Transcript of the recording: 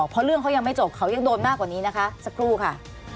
เพราะเรื่องเขายังไม่จบเขายังโดนมากกว่านี้นะคะสักครู่ค่ะ